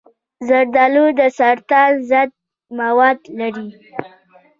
زردآلو د سرطان ضد مواد لري.